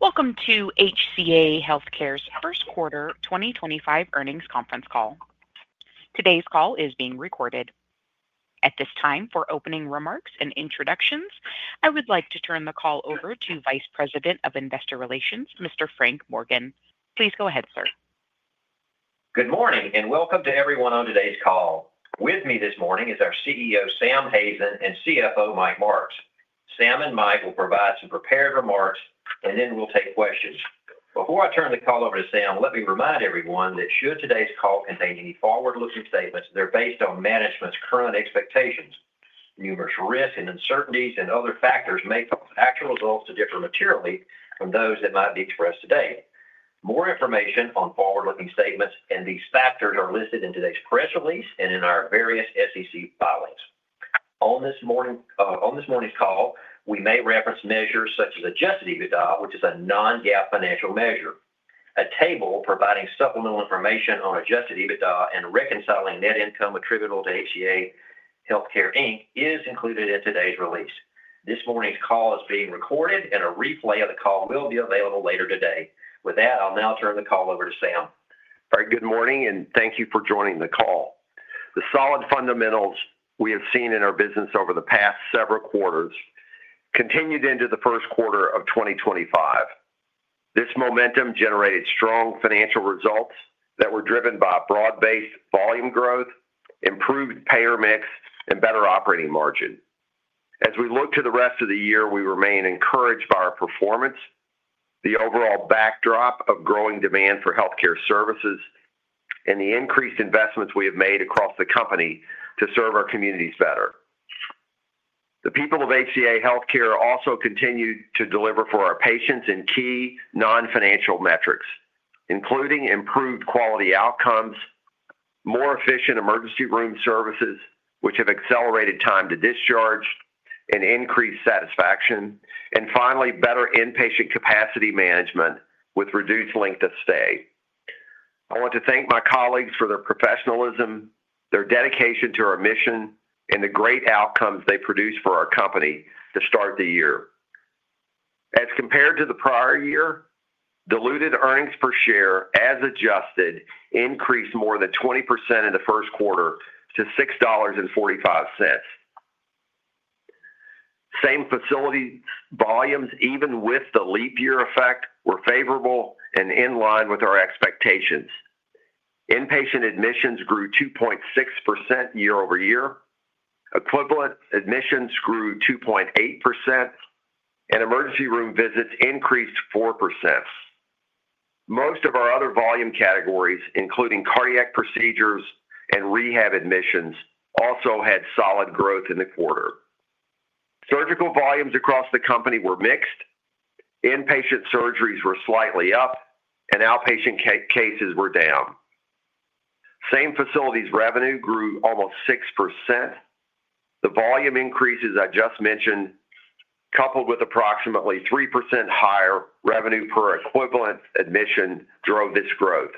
Welcome to HCA Healthcare's First Quarter 2025 Earnings Conference Call. Today's call is being recorded. At this time, for opening remarks and introductions, I would like to turn the call over to Vice President of Investor Relations, Mr. Frank Morgan. Please go ahead, sir. Good morning and welcome to everyone on today's call. With me this morning is our CEO, Sam Hazen, and CFO, Mike Marks. Sam and Mike will provide some prepared remarks, and then we'll take questions. Before I turn the call over to Sam, let me remind everyone that should today's call contain any forward-looking statements, they're based on management's current expectations. Numerous risks and uncertainties and other factors may cause actual results to differ materially from those that might be expressed today. More information on forward-looking statements and these factors are listed in today's press release and in our various SEC filings. On this morning's call, we may reference measures such as adjusted EBITDA, which is a non-GAAP financial measure. A table providing supplemental information on adjusted EBITDA and reconciling net income attributable to HCA Healthcare is included in today's release. This morning's call is being recorded, and a replay of the call will be available later today. With that, I'll now turn the call over to Sam. Very good morning, and thank you for joining the call. The solid fundamentals we have seen in our business over the past several quarters continued into the first quarter of 2025. This momentum generated strong financial results that were driven by broad-based volume growth, improved payer mix, and better operating margin. As we look to the rest of the year, we remain encouraged by our performance, the overall backdrop of growing demand for healthcare services, and the increased investments we have made across the company to serve our communities better. The people of HCA Healthcare also continue to deliver for our patients in key non-financial metrics, including improved quality outcomes, more efficient emergency room services, which have accelerated time to discharge, and increased satisfaction, and finally, better inpatient capacity management with reduced length of stay. I want to thank my colleagues for their professionalism, their dedication to our mission, and the great outcomes they produced for our company to start the year. As compared to the prior year, diluted earnings per share, as adjusted, increased more than 20% in the first quarter to $6.45. Same facility volumes, even with the leap year effect, were favorable and in line with our expectations. Inpatient admissions grew 2.6% year over year, equivalent admissions grew 2.8%, and emergency room visits increased 4%. Most of our other volume categories, including cardiac procedures and rehab admissions, also had solid growth in the quarter. Surgical volumes across the company were mixed. Inpatient surgeries were slightly up, and outpatient cases were down. Same facilities' revenue grew almost 6%. The volume increases I just mentioned, coupled with approximately 3% higher revenue per equivalent admission, drove this growth.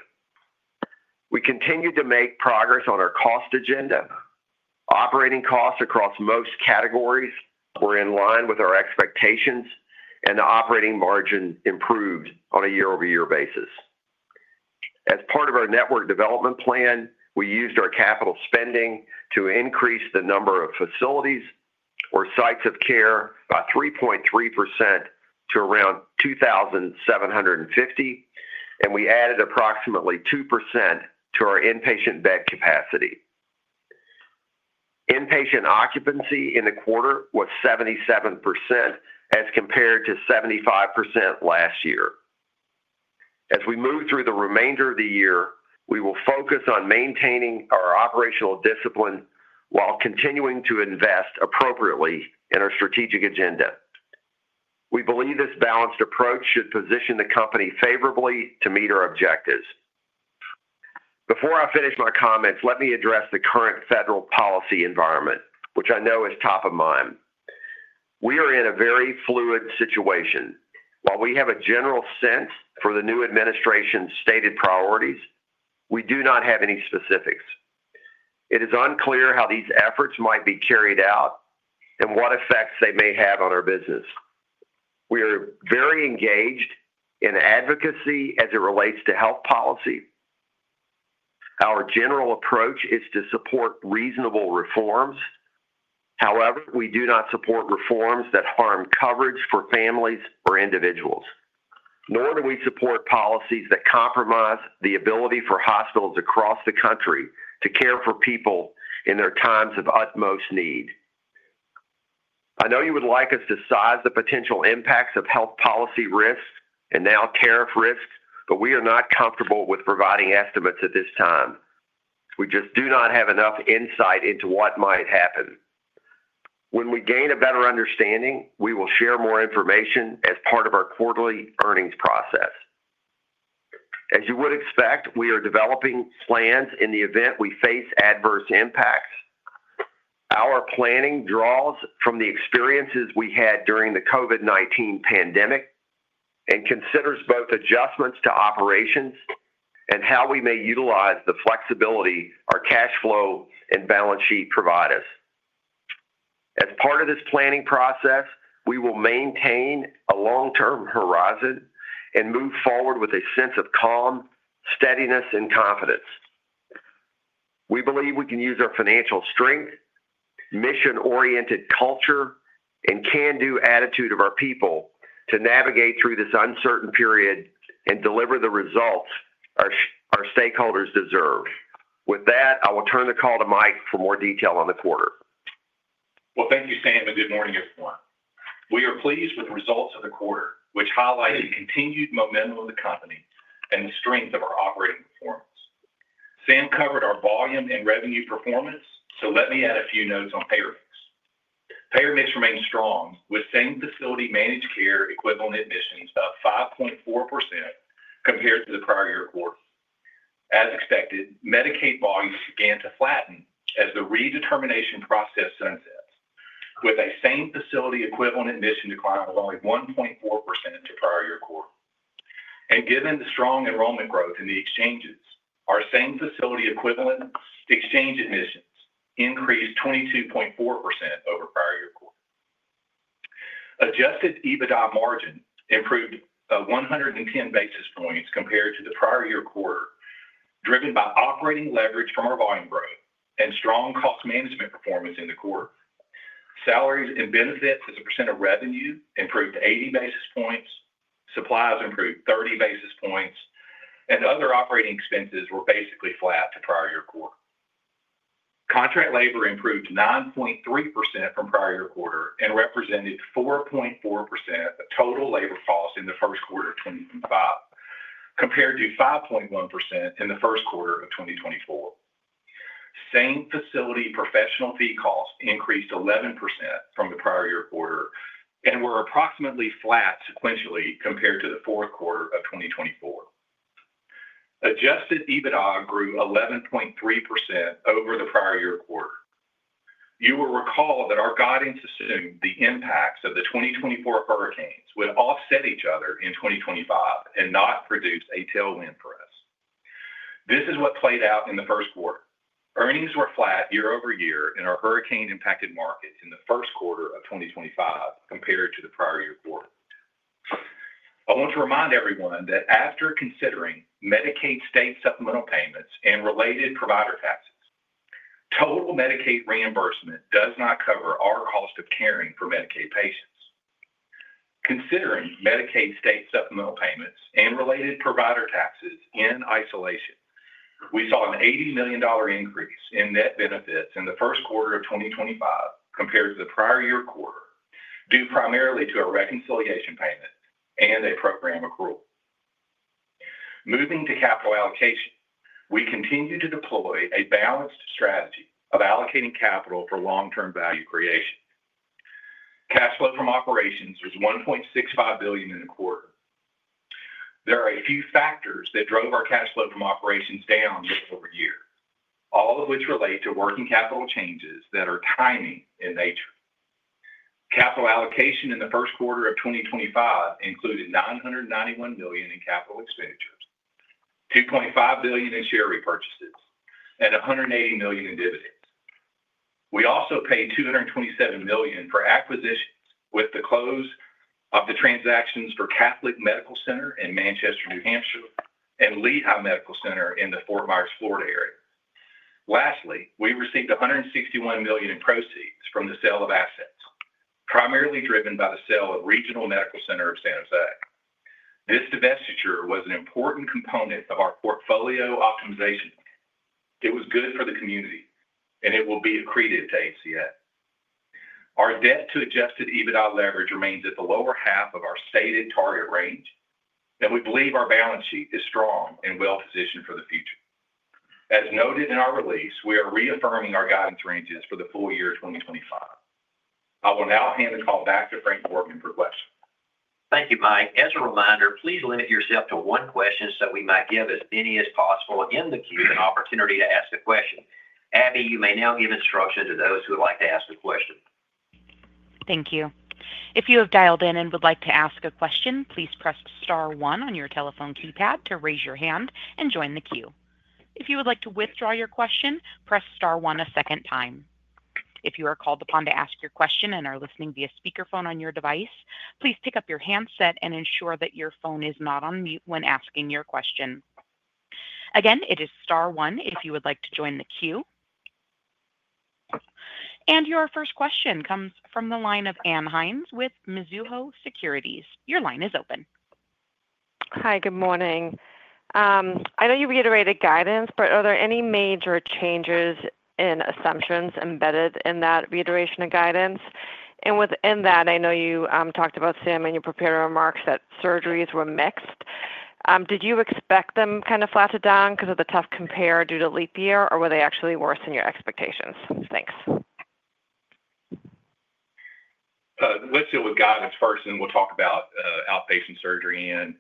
We continued to make progress on our cost agenda. Operating costs across most categories were in line with our expectations, and the operating margin improved on a year-over-year basis. As part of our network development plan, we used our capital spending to increase the number of facilities or sites of care by 3.3% to around 2,750, and we added approximately 2% to our inpatient bed capacity. Inpatient occupancy in the quarter was 77% as compared to 75% last year. As we move through the remainder of the year, we will focus on maintaining our operational discipline while continuing to invest appropriately in our strategic agenda. We believe this balanced approach should position the company favorably to meet our objectives. Before I finish my comments, let me address the current federal policy environment, which I know is top of mind. We are in a very fluid situation. While we have a general sense for the new administration's stated priorities, we do not have any specifics. It is unclear how these efforts might be carried out and what effects they may have on our business. We are very engaged in advocacy as it relates to health policy. Our general approach is to support reasonable reforms. However, we do not support reforms that harm coverage for families or individuals, nor do we support policies that compromise the ability for hospitals across the country to care for people in their times of utmost need. I know you would like us to size the potential impacts of health policy risks and now tariff risks, but we are not comfortable with providing estimates at this time. We just do not have enough insight into what might happen. When we gain a better understanding, we will share more information as part of our quarterly earnings process. As you would expect, we are developing plans in the event we face adverse impacts. Our planning draws from the experiences we had during the COVID-19 pandemic and considers both adjustments to operations and how we may utilize the flexibility our cash flow and balance sheet provide us. As part of this planning process, we will maintain a long-term horizon and move forward with a sense of calm, steadiness, and confidence. We believe we can use our financial strength, mission-oriented culture, and can-do attitude of our people to navigate through this uncertain period and deliver the results our stakeholders deserve. With that, I will turn the call to Mike for more detail on the quarter. Thank you, Sam, and good morning, everyone. We are pleased with the results of the quarter, which highlighted continued momentum of the company and the strength of our operating performance. Sam covered our volume and revenue performance, so let me add a few notes on payer mix. Payer mix remains strong, with same-facility managed care equivalent admissions up 5.4% compared to the prior year quarter. As expected, Medicaid volumes began to flatten as the redetermination process sunset, with a same-facility equivalent admission decline of only 1.4% to prior year quarter. Given the strong enrollment growth in the exchanges, our same-facility equivalent exchange admissions increased 22.4% over prior year quarter. Adjusted EBITDA margin improved 110 basis points compared to the prior year quarter, driven by operating leverage from our volume growth and strong cost management performance in the quarter. Salaries and benefits as a percent of revenue improved 80 basis points. Supplies improved 30 basis points, and other operating expenses were basically flat to prior year quarter. Contract labor improved 9.3% from prior year quarter and represented 4.4% of total labor costs in the first quarter of 2025, compared to 5.1% in the first quarter of 2024. Same-facility professional fee costs increased 11% from the prior year quarter and were approximately flat sequentially compared to the fourth quarter of 2024. Adjusted EBITDA grew 11.3% over the prior year quarter. You will recall that our guidance assumed the impacts of the 2024 hurricanes would offset each other in 2025 and not produce a tailwind for us. This is what played out in the first quarter. Earnings were flat year over year in our hurricane-impacted market in the first quarter of 2025 compared to the prior year quarter. I want to remind everyone that after considering Medicaid state supplemental payments and related provider taxes, total Medicaid reimbursement does not cover our cost of caring for Medicaid patients. Considering Medicaid state supplemental payments and related provider taxes in isolation, we saw an $80 million increase in net benefits in the first quarter of 2025 compared to the prior year quarter, due primarily to a reconciliation payment and a program accrual. Moving to capital allocation, we continue to deploy a balanced strategy of allocating capital for long-term value creation. Cash flow from operations was $1.65 billion in the quarter. There are a few factors that drove our cash flow from operations down year over year, all of which relate to working capital changes that are timing in nature. Capital allocation in the first quarter of 2025 included $991 million in capital expenditures, $2.5 billion in share repurchases, and $180 million in dividends. We also paid $227 million for acquisitions with the close of the transactions for Catholic Medical Center in Manchester, New Hampshire, and Lehigh Medical Center in the Fort Myers, Florida area. Lastly, we received $161 million in proceeds from the sale of assets, primarily driven by the sale of Regional Medical Center of Santa Fe. This divestiture was an important component of our portfolio optimization. It was good for the community, and it will be accretive to HCA. Our debt to adjusted EBITDA leverage remains at the lower half of our stated target range, and we believe our balance sheet is strong and well-positioned for the future. As noted in our release, we are reaffirming our guidance ranges for the full year 2025.I will now hand the call back to Frank Morgan for questions. Thank you, Mike. As a reminder, please limit yourself to one question so we might give as many as possible in the queue an opportunity to ask a question. Abby, you may now give instruction to those who would like to ask a question. Thank you. If you have dialed in and would like to ask a question, please press star one on your telephone keypad to raise your hand and join the queue. If you would like to withdraw your question, press star one a second time. If you are called upon to ask your question and are listening via speakerphone on your device, please pick up your handset and ensure that your phone is not on mute when asking your question. Again, it is star one if you would like to join the queue. Your first question comes from the line of Ann Hynes with Mizuho Securities. Your line is open. Hi, good morning. I know you reiterated guidance, but are there any major changes in assumptions embedded in that reiteration of guidance? Within that, I know you talked about, Sam, in your prepared remarks that surgeries were mixed. Did you expect them kind of flat to down because of the tough compare due to leap year, or were they actually worse than your expectations? Thanks. Let's deal with guidance first, and we'll talk about outpatient surgery end.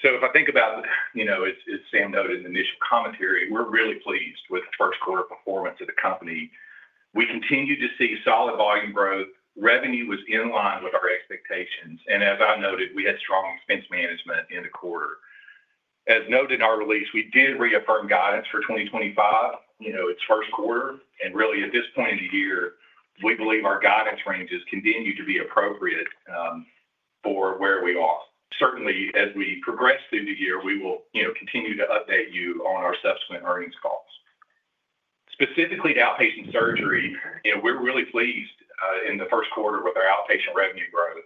So, if I think about, as Sam noted in the initial commentary, we're really pleased with the first quarter performance of the company. We continue to see solid volume growth. Revenue was in line with our expectations. And as I noted, we had strong expense management in the quarter. As noted in our release, we did reaffirm guidance for 2025, you know its first quarter. At this point in the year, we believe our guidance ranges continue to be appropriate for where we are. Certainly, as we progress through the year, we will continue to update you on our subsequent earnings calls. Specifically to outpatient surgery, we're really pleased in the first quarter with our outpatient revenue growth,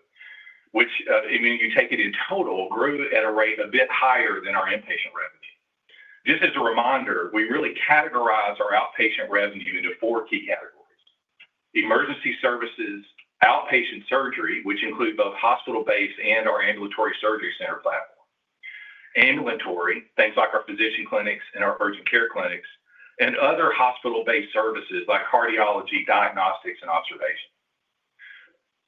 which, I mean, you take it in total, grew at a rate a bit higher than our inpatient revenue. Just as a reminder, we really categorize our outpatient revenue into four key categories: emergency services, outpatient surgery, which includes both hospital-based and our ambulatory surgery center platform; ambulatory, things like our physician clinics and our urgent care clinics; and other hospital-based services like cardiology, diagnostics, and observation.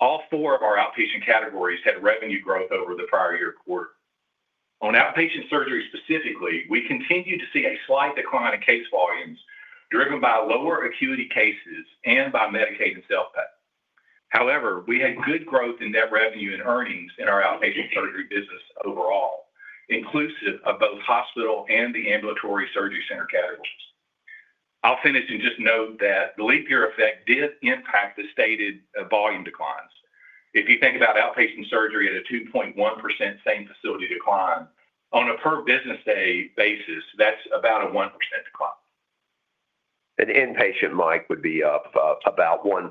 All four of our outpatient categories had revenue growth over the prior year quarter. On outpatient surgery specifically, we continue to see a slight decline in case volumes driven by lower acuity cases and by Medicaid and self-pay. However, we had good growth in net revenue and earnings in our outpatient surgery business overall, inclusive of both hospital and the ambulatory surgery center categories. I'll finish and just note that the leap year effect did impact the stated volume declines. If you think about outpatient surgery at a 2.1% same-facility decline, on a per-business day basis, that's about a 1% decline. Inpatient, Mike, would be up about 1%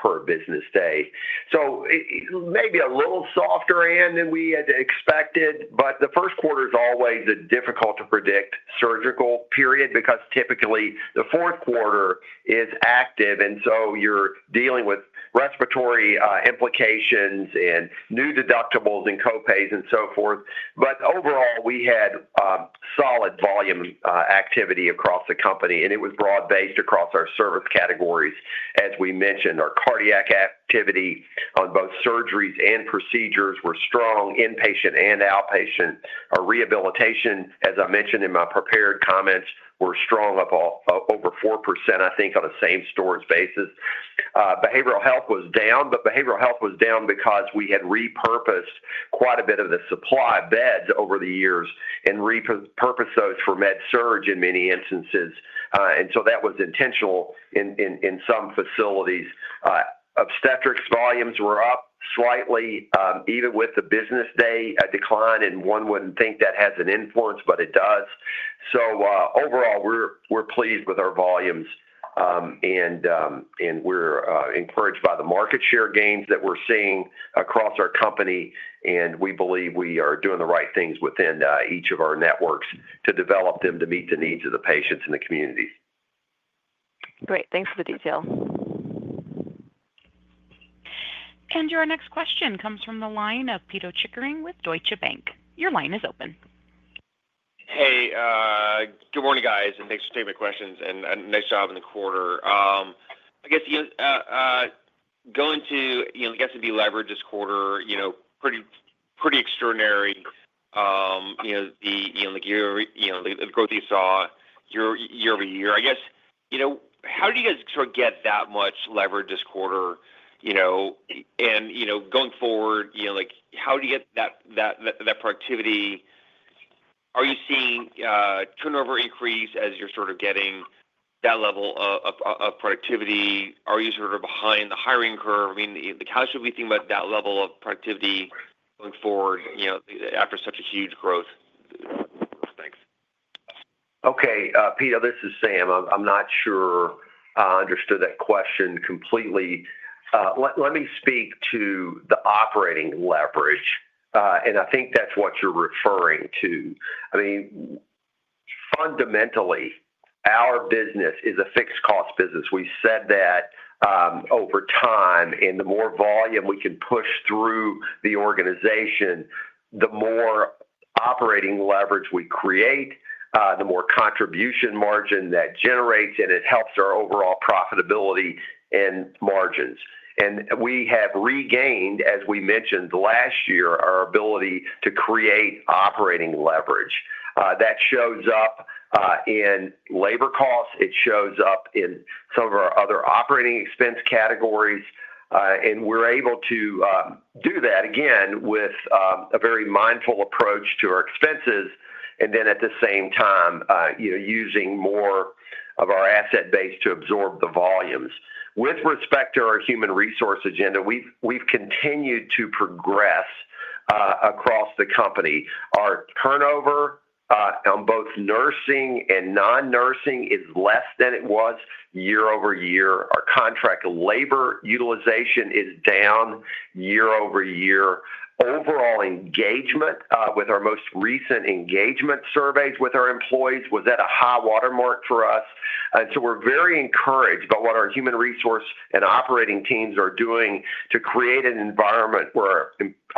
per business day. Maybe a little softer end than we had expected, but the first quarter is always a difficult-to-predict surgical period because typically the fourth quarter is active, and you are dealing with respiratory implications and new deductibles and copays and so forth. But overall, we had solid volume activity across the company, and it was broad-based across our service categories, as we mentioned. Our cardiac activity on both surgeries and procedures were strong, inpatient and outpatient. Our rehabilitation, as I mentioned in my prepared comments, was strong, up over 4%, I think, on a same-stores basis. Behavioral health was down, but behavioral health was down because we had repurposed quite a bit of the supply beds over the years and repurposed those for med-surg in many instances. That was intentional in some facilities. Obstetrics volumes were up slightly, even with the business day decline, and one wouldn't think that has an influence, but it does. Overall, we're pleased with our volumes, and we're encouraged by the market share gains that we're seeing across our company. And we believe we are doing the right things within each of our networks to develop them to meet the needs of the patients and the communities. Great. Thanks for the detail. Your next question comes from the line of Pito Chickering with Deutsche Bank. Your line is open. Hey, good morning, guys, and thanks for taking my questions and a nice job in the quarter. I guess going to, I guess, the leverage this quarter, pretty extraordinary. The growth you saw year over year, I guess, how did you guys sort of get that much leverage this quarter you know? Going forward, how do you get that productivity? Are you seeing turnover increase as you're sort of getting that level of productivity? Are you sort of behind the hiring curve? I mean, how should we think about that level of productivity going forward after such a huge growth? Thanks. Okay Pito, this is Sam. I'm not sure I understood that question completely. Let me speak to the operating leverage, and I think that's what you're referring to. I mean, fundamentally, our business is a fixed-cost business. We said that over time, and the more volume we can push through the organization, the more operating leverage we create, the more contribution margin that generates, and it helps our overall profitability and margins. We have regained, as we mentioned last year, our ability to create operating leverage. That shows up in labor costs. It shows up in some of our other operating expense categories. We're able to uhm do that, again, with a very mindful approach to our expenses, and then at the same time, using more of our asset base to absorb the volumes. With respect to our human resource agenda, we've continued to progress across the company. Our turnover on both nursing and non-nursing is less than it was year over year. Our contract labor utilization is down year-over-year. Overall engagement with our most recent engagement surveys with our employees was at a high watermark for us. We are very encouraged by what our human resource and operating teams are doing to create an environment where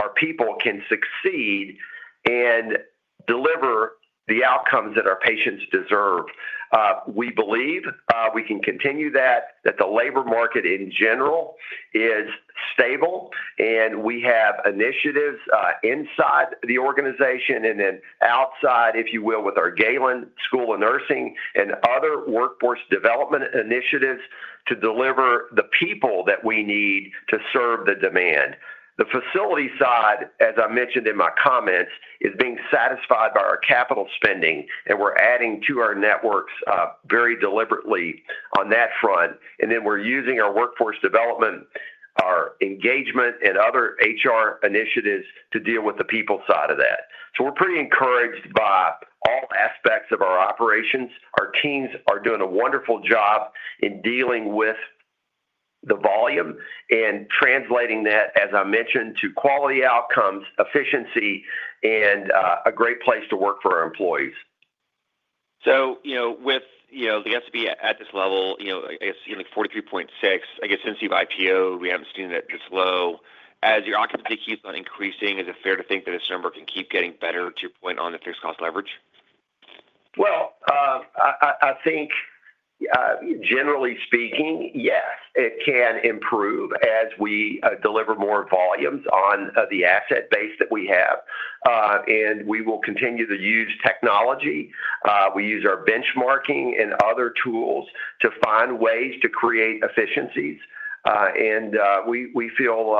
our people can succeed and deliver the outcomes that our patients deserve. We believe we can continue that, that the labor market in general is stable, and we have initiatives inside the organization and then outside, if you will, with our Galen School of Nursing and other workforce development initiatives to deliver the people that we need to serve the demand. The facility side, as I mentioned in my comments, is being satisfied by our capital spending, and we are adding to our networks very deliberately on that front. And then we're using our workforce development, our engagement, and other HR initiatives to deal with the people side of that. So we're pretty encouraged by all aspects of our operations. Our teams are doing a wonderful job in dealing with the volume and translating that, as I mentioned, to quality outcomes, efficiency, and a great place to work for our employees. So you know with the SWB at this level, I guess, 43.6, I guess, since you've IPO, we haven't seen it this low. As your occupancy keeps on increasing, is it fair to think that this number can keep getting better to your point on the fixed-cost leverage? Well I think, generally speaking, yes, it can improve as we deliver more volumes on the asset base that we have. We will continue to use technology. We use our benchmarking and other tools to find ways to create efficiencies. We feel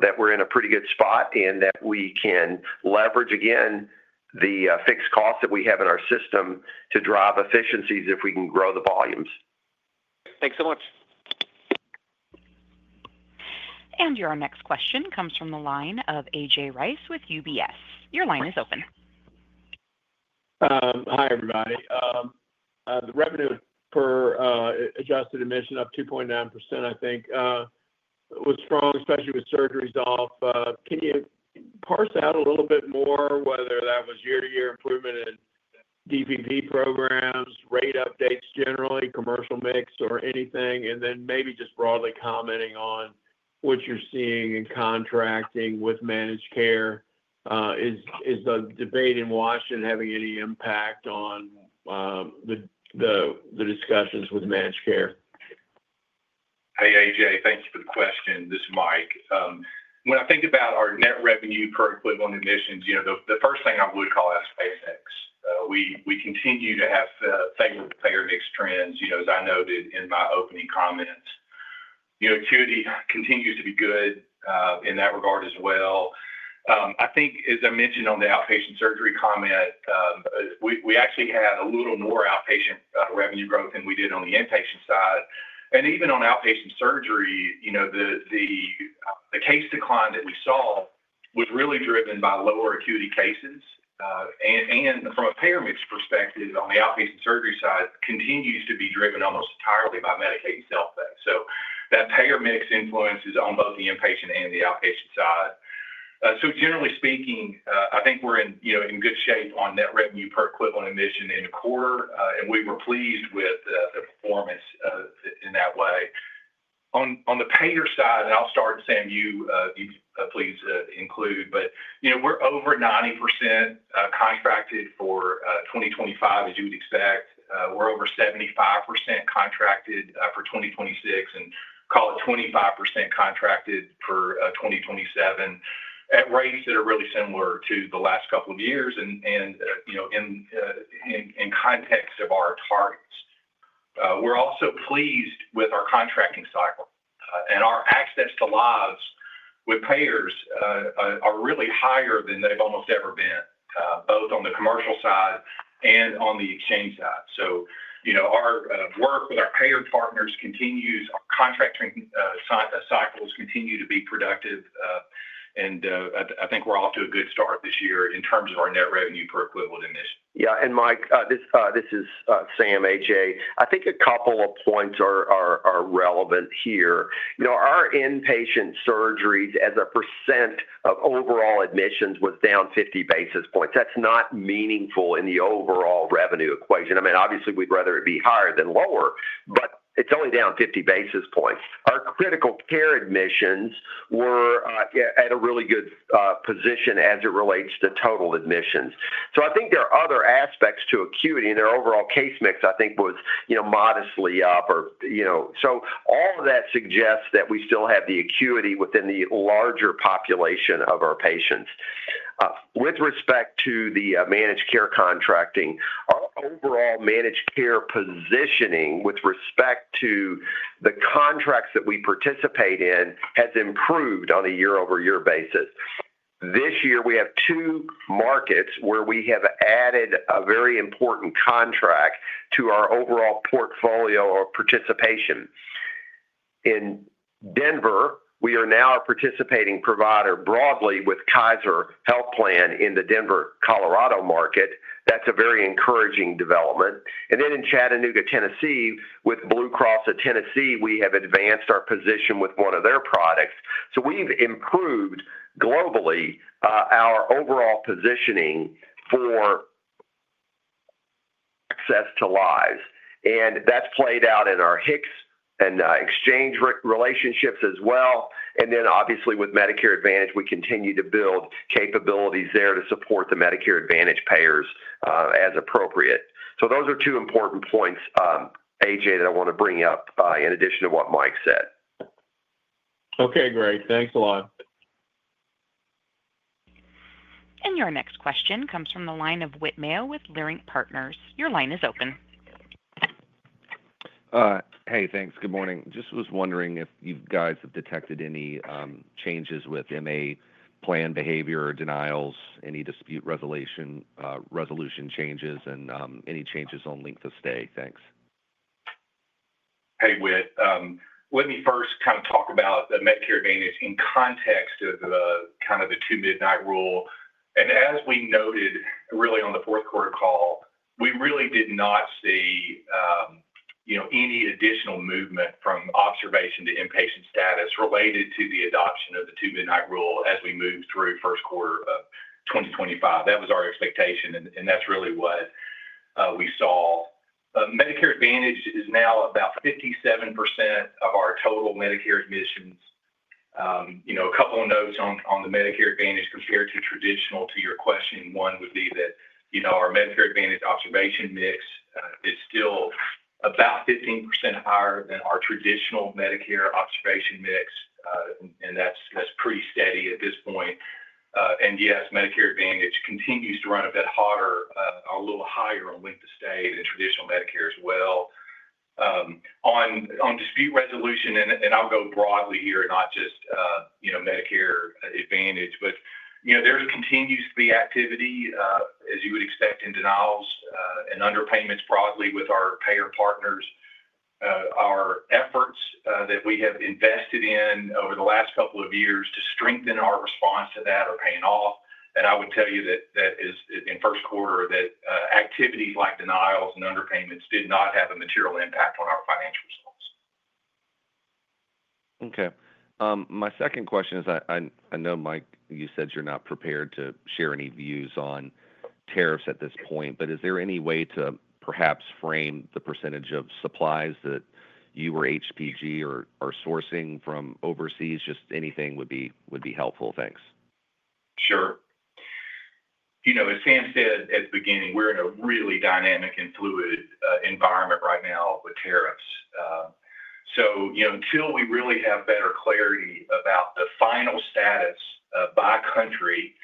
that we're in a pretty good spot and that we can leverage, again, the fixed costs that we have in our system to drive efficiencies if we can grow the volumes. Thanks so much. Your next question comes from the line of AJ Rice with UBS. Your line is open. Hi, everybody. The revenue per adjusted admission of 2.9% I think was strong, especially with surgeries off. Can you parse out a little bit more whether that was year-to-year improvement in DPP programs, rate updates generally, commercial mix, or anything? Maybe just broadly commenting on what you're seeing in contracting with managed care. Is the debate in Washington having any impact on the discussions with managed care? Hey, AJ. Thank you for the question. This is Mike. When I think about our net revenue per equivalent admissions, the first thing I would call out is payer mix. We continue to have favorable payer mix trends, as I noted in my opening comments. The acuity continues to be good in that regard as well. I think, as I mentioned on the outpatient surgery comment, we actually had a little more outpatient revenue growth than we did on the inpatient side. Even on outpatient surgery, the case decline that we saw was really driven by lower acuity cases. From a payer mix perspective, on the outpatient surgery side, it continues to be driven almost entirely by Medicaid and self-pay. That payer mix influences on both the inpatient and the outpatient side. Generally speaking, I think we're in good shape on net revenue per equivalent admission in the quarter, and we were pleased with the performance in that way. On the payer side, and I'll start, Sam, you please include, but we're over 90% contracted for 2025, as you would expect. We're over 75% contracted for 2026 and call it 25% contracted for 2027 at rates that are really similar to the last couple of years and in context of our targets. We're also pleased with our contracting cycle, and our access to lives with payers are really higher than they've almost ever been, both on the commercial side and on the exchange side. So you know, our work with our payer partners continues. Our contracting cycles continue to be productive, and I think we're off to a good start this year in terms of our net revenue per equivalent admission. Yeah. Mike, this is Sam, AJ. I think a couple of points are relevant here. You know our inpatient surgeries, as a percent of overall admissions, was down 50 basis points. That's not meaningful in the overall revenue equation. I mean, obviously, we'd rather it be higher than lower, but it's only down 50 basis points. Our critical care admissions were at a really good position as it relates to total admissions. I think there are other aspects to acuity, and their overall case mix, I think, was modestly up. So all of that suggests that we still have the acuity within the larger population of our patients. With respect to the managed care contracting, our overall managed care positioning with respect to the contracts that we participate in has improved on a year-over-year basis. This year, we have two markets where we have added a very important contract to our overall portfolio of participation. In Denver, we are now a participating provider broadly with Kaiser Health Plan in the Denver, Colorado market. That is a very encouraging development. And then in Chattanooga, Tennessee, with Blue Cross of Tennessee, we have advanced our position with one of their products. We have improved globally our overall positioning for access to lives. And that's played out in our HCCs and exchange relationships as well. Obviously, with Medicare Advantage, we continue to build capabilities there to support the Medicare Advantage payers as appropriate. So those are two important points, AJ, that I want to bring up in addition to what Mike said. Okay. Great. Thanks a lot. And your next question comes from the line of Whit Mayo with Leerink Partners. Your line is open. Hey, thanks. Good morning. Just was wondering if you guys have detected any changes with MA plan behavior or denials, any dispute resolution changes, and any changes on length of stay. Thanks. Hey, Whit. Let me first kind of talk about the Medicare Advantage in context of kind of the Two-Midnight Rule. And as we noted really on the fourth quarter call, we really did not see any additional movement from observation to inpatient status related to the adoption of the Two-Midnight Rule as we move through first quarter of 2025. That was our expectation, and that's really what we saw. Medicare Advantage is now about 57% of our total Medicare admissions. A couple of notes on the Medicare Advantage compared to traditional, to your question, one would be that our Medicare Advantage observation mix is still about 15% higher than our traditional Medicare observation mix, and that's pretty steady at this point. And yes, Medicare Advantage continues to run a bit hotter, a little higher on length of stay than traditional Medicare as well. On dispute resolution, and I'll go broadly here, not just Medicare Advantage, but there continues to be activity, as you would expect, in denials and underpayments broadly with our payer partners. Our efforts that we have invested in over the last couple of years to strengthen our response to that are paying off. I would tell you that in first quarter, that activities like denials and underpayments did not have a material impact on our financial results. Okay. My second question is, I know, Mike, you said you're not prepared to share any views on tariffs at this point, but is there any way to perhaps frame the percentage of supplies that you or HPG are sourcing from overseas? Just anything would be helpful. Thanks. Sure. You know as Sam said at the beginning, we're in a really dynamic and fluid environment right now with tariffs. Until we really have better clarity about the final status by country,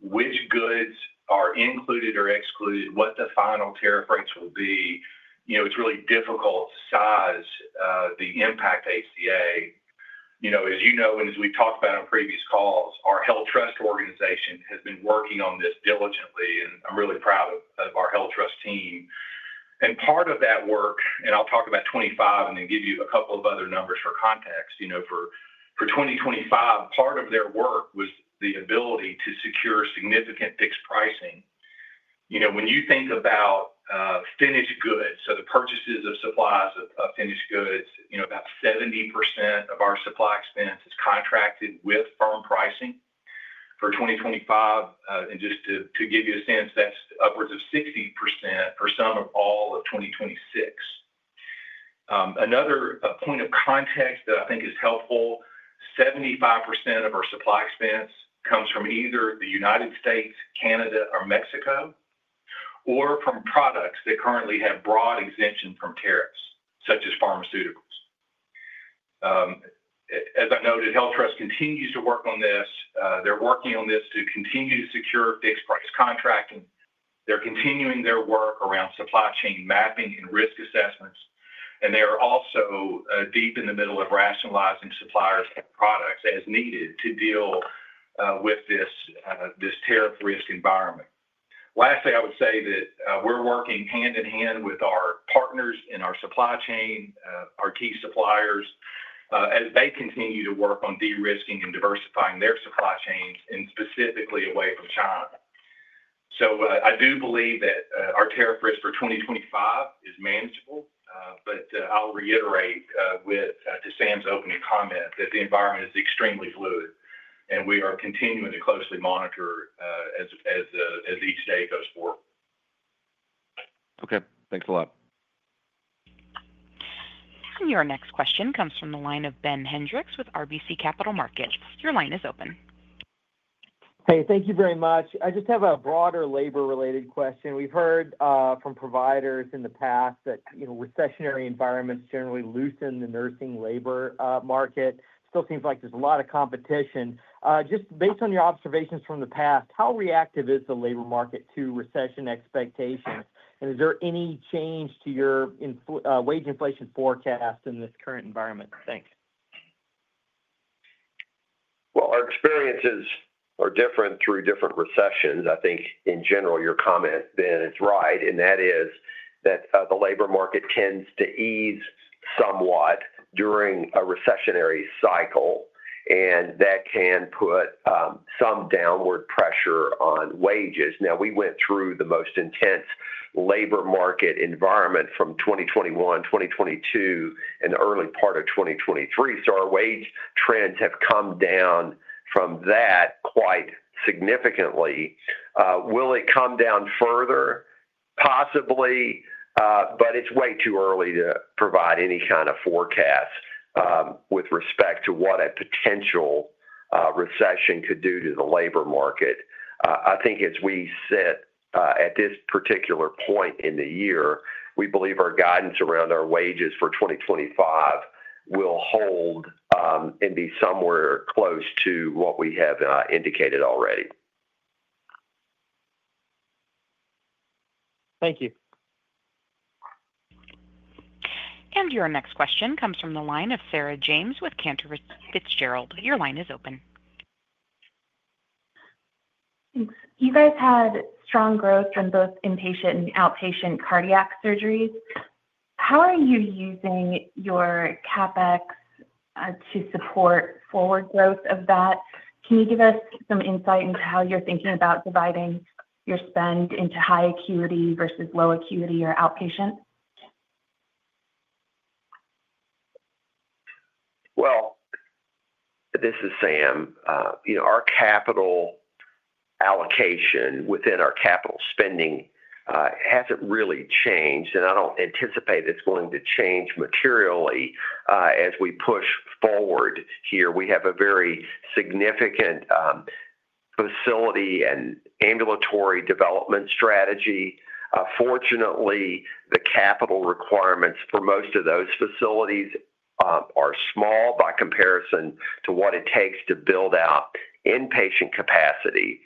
which goods are included or excluded, what the final tariff rates will be, it's really difficult to size the impact to HCA. As you know, and as we've talked about on previous calls, our HealthTrust organization has been working on this diligently, and I'm really proud of our HealthTrust team. Part of that work, and I'll talk about 2025 and then give you a couple of other numbers for context, for 2025, part of their work was the ability to secure significant fixed pricing. You know when you think about finished goods, so the purchases of supplies of finished goods, about 70% of our supply expense is contracted with firm pricing for 2025. And just to give you a sense, that's upwards of 60% for some of all of 2026. Another point of context that I think is helpful, 75% of our supply expense comes from either the United States, Canada, or Mexico, or from products that currently have broad exemption from tariffs, such as pharmaceuticals. Um as I noted, HealthTrust continues to work on this. They're working on this to continue to secure fixed-price contracting. They're continuing their work around supply chain mapping and risk assessments. And they are also deep in the middle of rationalizing suppliers and products as needed to deal with this tariff risk environment. Lastly, I would say that we're working hand in hand with our partners in our supply chain, our key suppliers, as they continue to work on de-risking and diversifying their supply chains and specifically away from China. So I do believe that our tariff risk for 2025 is manageable, but I'll reiterate to Sam's opening comment that the environment is extremely fluid, and we are continuing to closely monitor as each day goes forward. Okay. Thanks a lot. Your next question comes from the line of Ben Hendrix with RBC Capital Markets. Your line is open. Hey, thank you very much. I just have a broader labor-related question. We've heard from providers in the past that recessionary environments generally loosen the nursing labor market. Still seems like there's a lot of competition. Just based on your observations from the past, how reactive is the labor market to recession expectations? Is there any change to your wage inflation forecast in this current environment? Thanks. Our experiences are different through different recessions. I think, in general, your comment, Ben, is right, and that is that the labor market tends to ease somewhat during a recessionary cycle, and that can put some downward pressure on wages. Now, we went through the most intense labor market environment from 2021, 2022, and the early part of 2023, so our wage trends have come down from that quite significantly. Ah will it come down further? Possibly, but it's way too early to provide any kind of forecast with respect to what a potential recession could do to the labor market. I think as we sit at this particular point in the year, we believe our guidance around our wages for 2025 will hold uhm and be somewhere close to what we have indicated already. Thank you. And your next question comes from the line of Sarah James with Cantor Fitzgerald. Your line is open. You guys had strong growth in both inpatient and outpatient cardiac surgeries. How are you using your CapEx to support forward growth of that? Can you give us some insight into how you're thinking about dividing your spend into high acuity versus low acuity or outpatient? This is Sam. Our capital allocation within our capital spending hasn't really changed, and I do not anticipate it is going to change materially as we push forward here. We have a very significant facility and ambulatory development strategy. Fortunately, the capital requirements for most of those facilities are small by comparison to what it takes to build out inpatient capacity.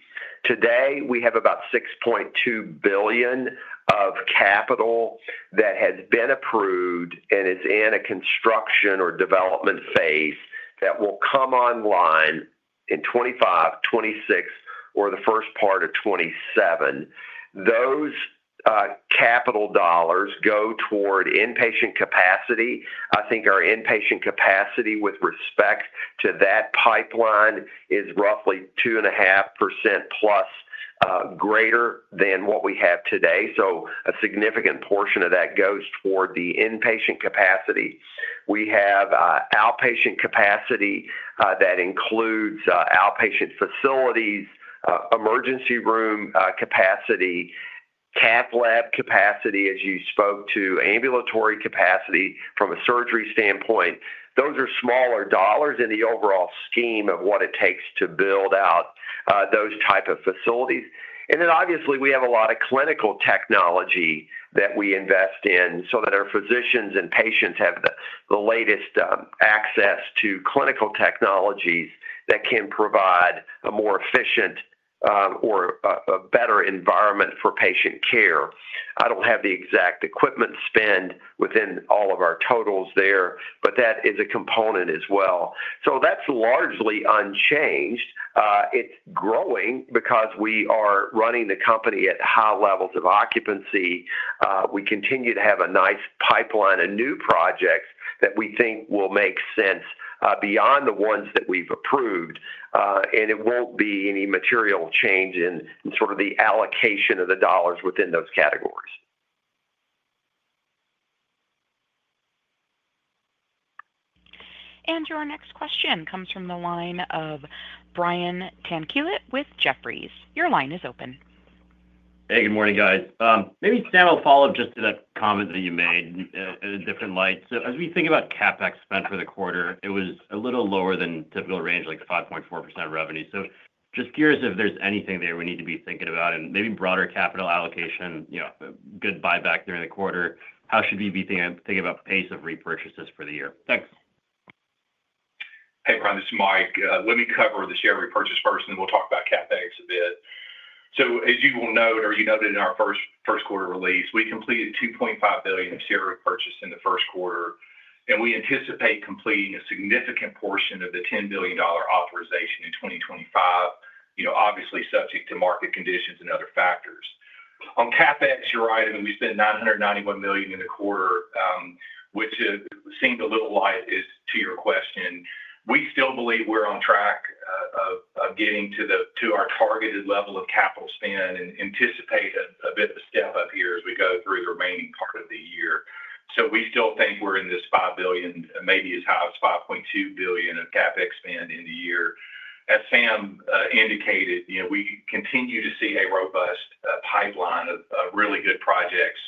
Today, we have about $6.2 billion of capital that has been approved and is in a construction or development phase that will come online in 2025, 2026, or the first part of 2027. Those capital dollars go toward inpatient capacity. I think our inpatient capacity with respect to that pipeline is roughly 2.5% plus greater than what we have today. A significant portion of that goes toward the inpatient capacity. We have outpatient capacity that includes outpatient facilities, emergency room capacity, cath lab capacity, as you spoke to, ambulatory capacity from a surgery standpoint. Those are smaller dollars in the overall scheme of what it takes to build out those types of facilities. Obviously, we have a lot of clinical technology that we invest in so that our physicians and patients have the latest access to clinical technologies that can provide a more efficient or a better environment for patient care. I do not have the exact equipment spend within all of our totals there, but that is a component as well. That is largely unchanged. It is growing because we are running the company at high levels of occupancy. Ah we continue to have a nice pipeline of new projects that we think will make sense beyond the ones that we've approved, and it won't be any material change in sort of the allocation of the dollars within those categories. Your next question comes from the line of Brian Tanquilut with Jefferies. Your line is open. Hey, good morning, guys. Maybe Sam will follow up just to that comment that you made in a different light. As we think about CapEx spent for the quarter, it was a little lower than typical range, like 5.4% revenue. So just curious if there's anything there we need to be thinking about and maybe broader capital allocation, you know good buyback during the quarter. How should we be thinking about the pace of repurchases for the year? Thanks. Hey, Brian, this is Mike. Let me cover the share repurchase first, and then we'll talk about CapEx a bit. So as you will note, or you noted in our first quarter release, we completed $2.5 billion of share repurchase in the first quarter, and we anticipate completing a significant portion of the $10 billion authorization in 2025, you know obviously subject to market conditions and other factors. On CapEx, you're right, I mean, we spent $991 million in the quarter, uhm which seemed a little light to your question. We still believe we're on track of getting to those to our targeted level of capital spend and anticipate a bit of a step up here as we go through the remaining part of the year. So we still think we're in this $5 billion, maybe as high as $5.2 billion of CapEx spend in the year. As Sam indicated, we continue to see a robust pipeline of really good projects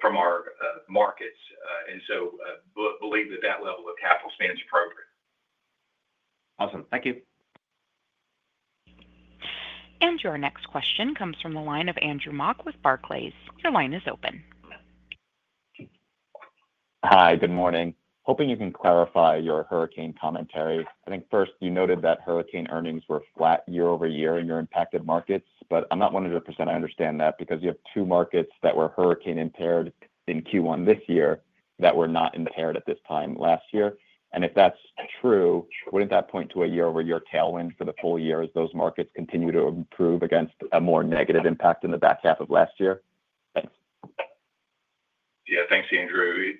from our markets. And so we believe that that level of capital spend is appropriate. Awesome. Thank you. Your next question comes from the line of Andrew Mok with Barclays. Your line is open. Hi, good morning. Hoping you can clarify your hurricane commentary. I think first you noted that hurricane earnings were flat year over year in your impacted markets, but I'm not 100%. I understand that because you have two markets that were hurricane impaired in Q1 this year that were not impaired at this time last year. And if that's true, wouldn't that point to a year-over-year tailwind for the full year as those markets continue to improve against a more negative impact in the back half of last year? Thanks. Yeah, thanks, Andrew.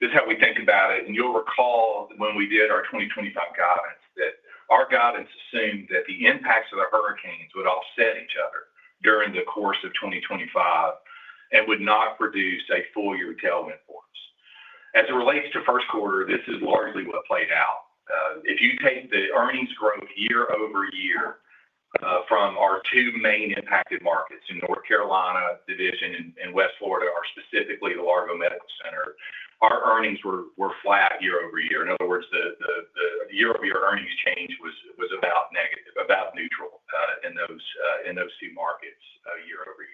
This is how we think about it. And you'll recall when we did our 2025 guidance that our guidance assumed that the impacts of the hurricanes would offset each other during the course of 2025 and would not produce a full-year tailwind for us. As it relates to first quarter, this is largely what played out. If you take the earnings growth year over year from our two main impacted markets in North Carolina Division and West Florida, specifically the Largo Medical Center, our earnings were flat year over year. In other words, the year-over-year earnings change was about negative, about neutral in those two markets year over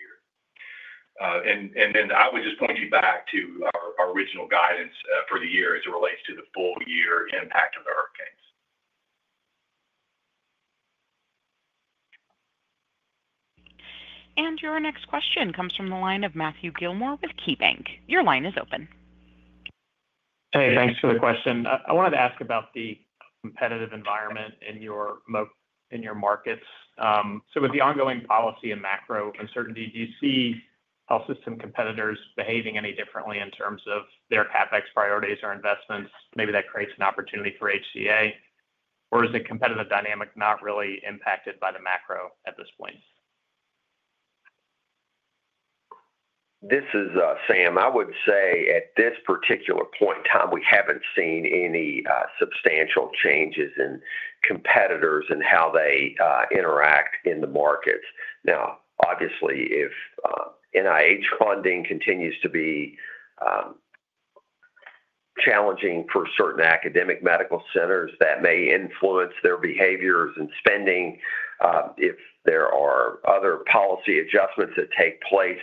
year. And then I would just point you back to our original guidance for the year as it relates to the full-year impact of the hurricanes. And your next question comes from the line of Matthew Gilmore with KeyBank. Your line is open. Hey, thanks for the question. I wanted to ask about the competitive environment in your markets. Uhm with the ongoing policy and macro uncertainty, do you see health system competitors behaving any differently in terms of their CapEx priorities or investments? Maybe that creates an opportunity for HCA, or is the competitive dynamic not really impacted by the macro at this point? This is Sam. I would say at this particular point in time, we haven't seen any substantial changes in competitors and how they interact in the markets. Obviously, if NIH funding continues to be challenging for certain academic medical centers, that may influence their behaviors and spending. If there are other policy adjustments that take place,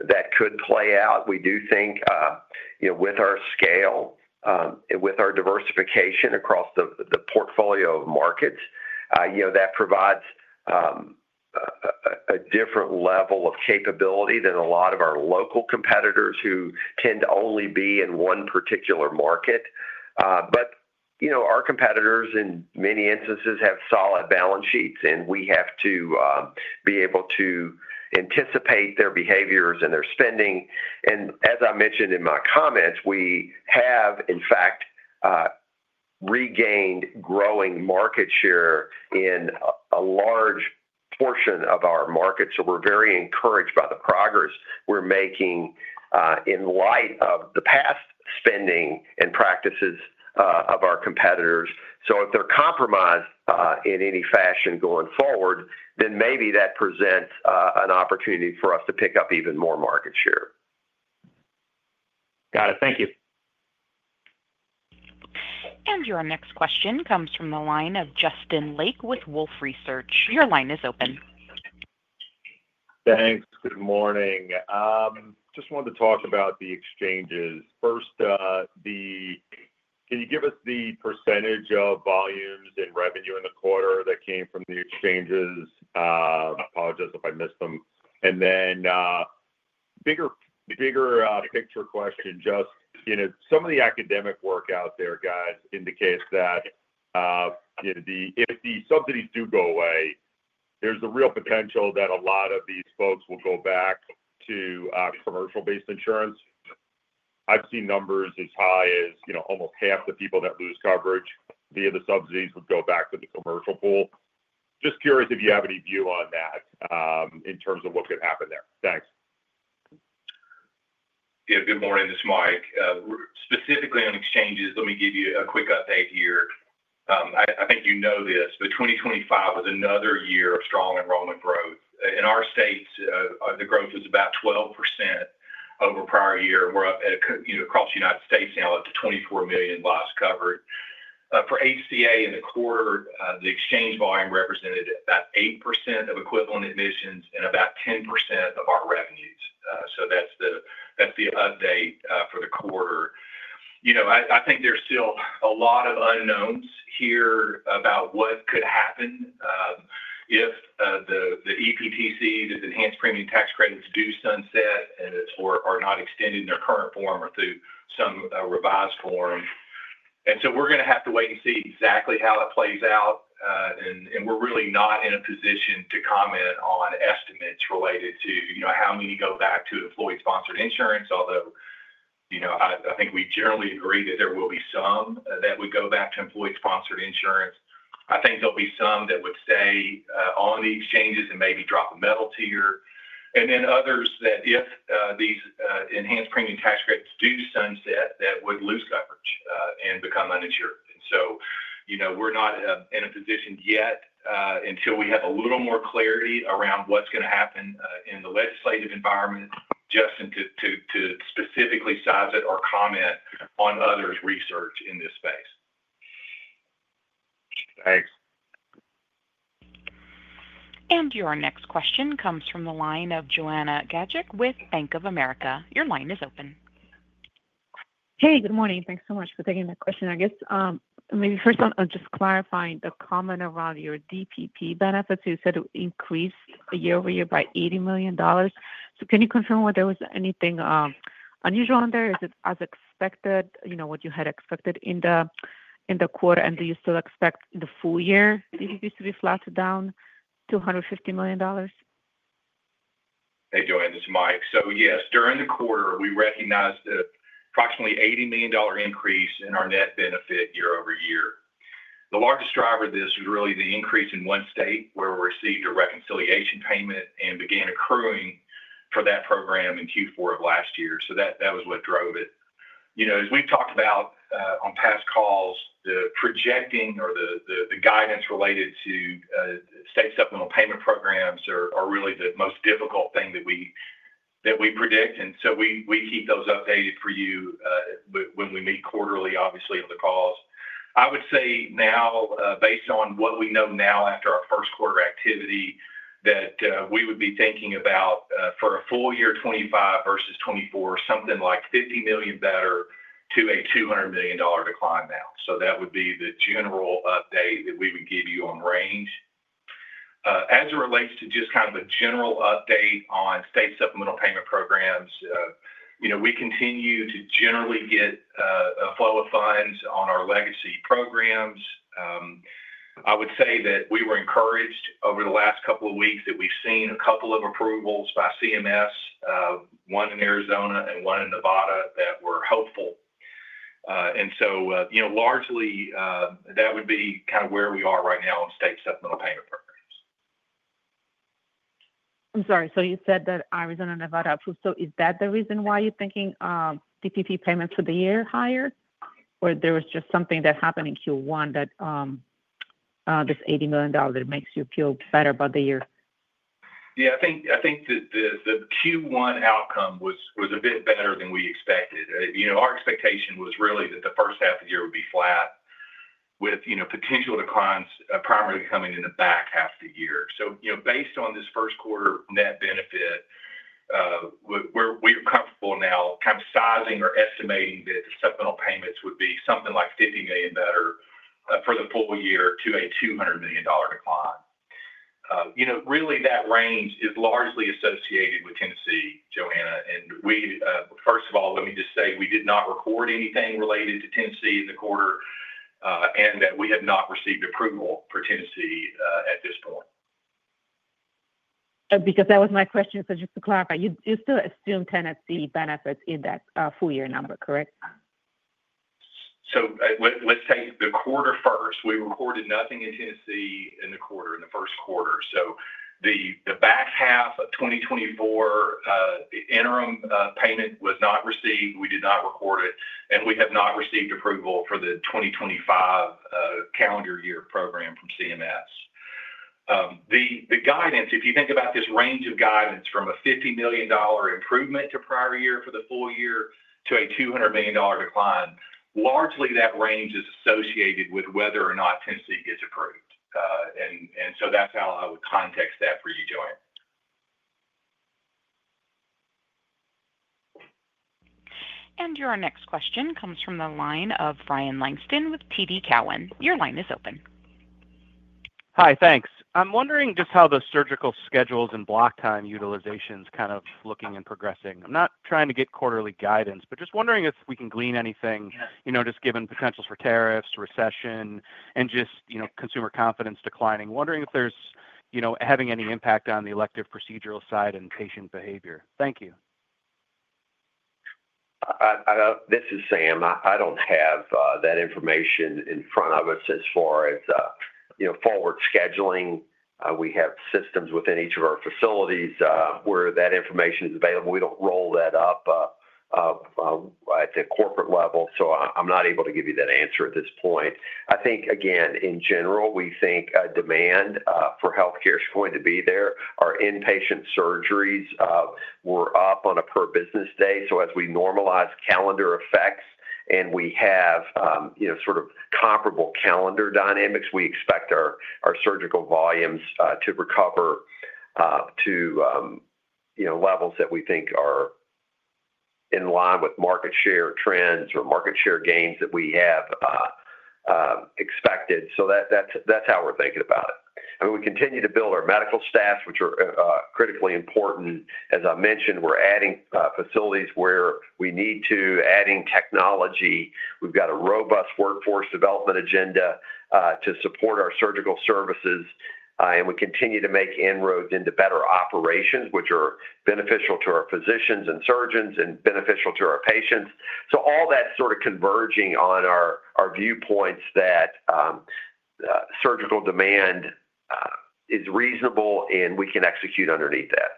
that could play out. We do think with our scale and with our diversification across the portfolio of markets, that provides a different level of capability than a lot of our local competitors who tend to only be in one particular market. But you know our competitors in many instances have solid balance sheets, and we have to be able to anticipate their behaviors and their spending. As I mentioned in my comments, we have, in fact, regained growing market share in a large portion of our market. We are very encouraged by the progress we are making in light of the past spending and practices of our competitors. If they are compromised in any fashion going forward, then maybe that presents an opportunity for us to pick up even more market share. Got it. Thank you. Your next question comes from the line of Justin Lake with Wolfe Research. Your line is open. Thanks. Good morning. Just wanted to talk about the exchanges. First, can you give us the percentage of volumes and revenue in the quarter that came from the exchanges? I apologize if I missed them. Bigger picture question, just you know some of the academic work out there, guys, indicates that if the subsidies do go away, there's a real potential that a lot of these folks will go back to commercial-based insurance. I've seen numbers as high as almost half the people that lose coverage via the subsidies would go back to the commercial pool. Just curious if you have any view on that in terms of what could happen there. Thanks. Yeah, good morning. This is Mike. Specifically on exchanges, let me give you a quick update here. I think you know this, but 2025 was another year of strong enrollment growth. In our states, the growth was about 12% over prior year. We're up across the U.S. now up to 24 million lives covered. For HCA in the quarter, the exchange volume represented about 8% of equivalent admissions and about 10% of our revenues. That is the update for the quarter. I think there is still a lot of unknowns here about what could happen if the EPTCs, the enhanced premium tax credits, do sunset and are not extended in their current form or through some revised form. And so we're gonna have to wait and see exactly how it plays out. And we're really not in a position to comment on estimates related to how many go back to employer-sponsored insurance, although, you know I think we generally agree that there will be some that would go back to employer-sponsored insurance. I think there'll be some that would stay on the exchanges and maybe drop a medal tier. And then others that if these enhanced premium tax credits do sunset, that would lose coverage and become uninsured. So we're not in a position yet until we have a little more clarity around what's going to happen in the legislative environment just to specifically size it or comment on others' research in this space. Thanks. And your next question comes from the line of Joanna Gajuk with Bank of America. Your line is open. Hey, good morning. Thanks so much for taking that question. I guess maybe first I'll just clarify the comment around your DPP benefits. You said it increased year over year by $80 million. So can you confirm whether there was anything unusual in there? Is it as expected, you know what you had expected in the quarter? Do you still expect the full-year DPPs to be flat down to $150 million? Hey, Joanne. This is Mike. So yes, during the quarter, we recognized the approximately $80 million increase in our net benefit year-over-year. The largest driver of this was really the increase in one state where we received a reconciliation payment and began accruing for that program in Q4 of last year. That was what drove it. You know as we've talked about on past calls, the projecting or the guidance related to state supplemental payment programs are really the most difficult thing that we predict. So we keep those updated for you when we meet quarterly, obviously, on the calls. I would say now, based on what we know now after our first quarter activity, that we would be thinking about for a full-year 2025 versus 2024, something like $50 million better to a $200 million decline now. That would be the general update that we would give you on range. As it relates to just kind of a general update on state supplemental payment programs, we continue to generally get a flow of funds on our legacy programs. Ahm I would say that we were encouraged over the last couple of weeks that we've seen a couple of approvals by CMS, one in Arizona and one in Nevada, that we're hopeful. And so largely, that would be kind of where we are right now on state supplemental payment programs. I'm sorry. So you said that Arizona and Nevada approved. Is that the reason why you're thinking DPP payments for the year higher, or there was just something that happened in Q1 that this $80 million makes you feel better about the year? Yeah, I think the Q1 outcome was a bit better than we expected. You know our expectation was really that the first half of the year would be flat with potential declines primarily coming in the back half of the year. Based on this first quarter net benefit, we're comfortable now kind of sizing or estimating that the supplemental payments would be something like $50 million better for the full year to a $200 million decline. You know really, that range is largely associated with Tennessee, Joanna. First of all, let me just say we did not record anything related to Tennessee in the quarter and that we have not received approval for Tennessee at this point. Because that was my question, so just to clarify, you still assume Tennessee benefits in that full-year number, correct? Let's take the quarter first. We recorded nothing in Tennessee in the quarter, in the first quarter. The back half of 2024, the interim payment was not received. We did not record it. And we have not received approval for the 2025 calendar year program from CMS. The guidance, if you think about this range of guidance from a $50 million improvement to prior year for the full year to a $200 million decline, largely that range is associated with whether or not Tennessee gets approved. So that's how I would context that for you, Joanne. Your next question comes from the line of Ryan Langston with TD Cowen. Your line is open. Hi, thanks. I'm wondering just how the surgical schedules and block time utilization is kind of looking and progressing. I'm not trying to get quarterly guidance, but just wondering if we can glean anything just given potentials for tariffs, recession, and just consumer confidence declining. Wondering if there's having any impact on the elective procedural side and patient behavior. Thank you. This is Sam. I don't have that information in front of us as far as forward scheduling. We have systems within each of our facilities where that information is available. We don't roll that up at the corporate level. So I'm not able to give you that answer at this point. I think, again, in general, we think a demand for healthcare is going to be there. Our inpatient surgeries were up on a per-business day. As we normalize calendar effects and we have sort of comparable calendar dynamics, we expect our surgical volumes to recover to levels that we think are in line with market share trends or market share gains that we have expected. So that's how we're thinking about it. I mean, we continue to build our medical staff, which are critically important. As I mentioned, we're adding facilities where we need to, adding technology. We've got a robust workforce development agenda to support our surgical services. We continue to make inroads into better operations, which are beneficial to our physicians and surgeons and beneficial to our patients. All that's sort of converging on our viewpoints that surgical demand is reasonable and we can execute underneath that.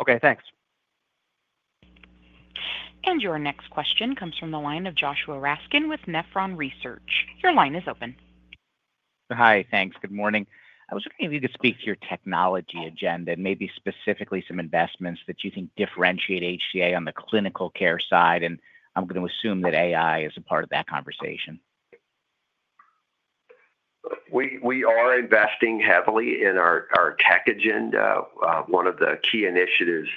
Okay. Thanks. Your next question comes from the line of Joshua Raskin with Nephron Research. Your line is open. Hi, thanks. Good morning. I was wondering if you could speak to your technology agenda and maybe specifically some investments that you think differentiate HCA on the clinical care side. And I'm gonna assume that AI is a part of that conversation. We are investing heavily in our tech agenda. One of the key initiatives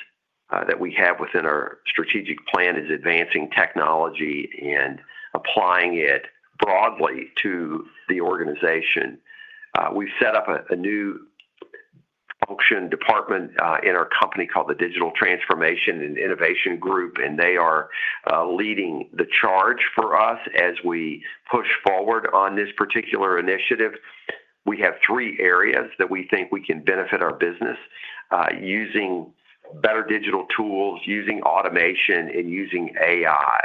that we have within our strategic plan is advancing technology and applying it broadly to the organization. We've set up a new function department in our company called the Digital Transformation and Innovation Group, and they are leading the charge for us as we push forward on this particular initiative. We have three areas that we think we can benefit our business using better digital tools, using automation, and using AI.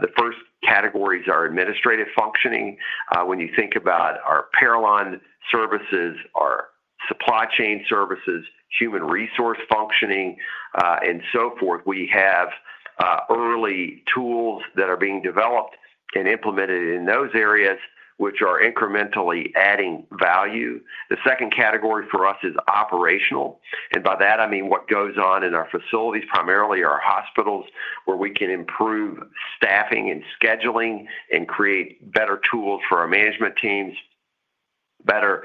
The first categories are administrative functioning. When you think about our Parallon Services, our supply chain services, human resource functioning, and so forth, we have early tools that are being developed and implemented in those areas, which are incrementally adding value. The second category for us is operational. And by that, I mean what goes on in our facilities, primarily our hospitals, where we can improve staffing and scheduling and create better tools for our management teams, better